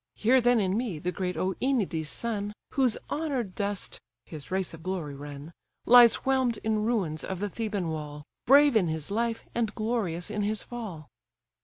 Hear then in me the great OEnides' son, Whose honoured dust (his race of glory run) Lies whelm'd in ruins of the Theban wall; Brave in his life, and glorious in his fall.